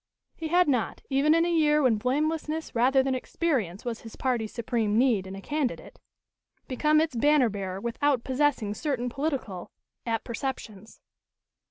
He had not, even in a year when blamelessness rather than experience was his party's supreme need in a candidate, become its banner bearer without possessing certain political apperceptions.